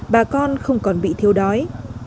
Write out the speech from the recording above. bà con không còn bị thiếu đói